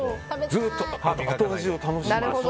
ずっと後味を楽しんで。